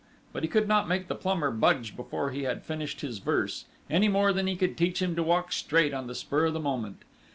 But he could not make the plumber budge before he had finished his verse, any more than he could teach him to walk straight on the spur of the moment!...